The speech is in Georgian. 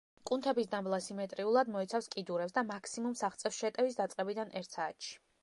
კუნთების დამბლა სიმეტრიულად მოიცავს კიდურებს და მაქსიმუმს აღწევს შეტევის დაწყებიდან ერთ საათში.